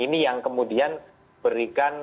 ini yang kemudian berikan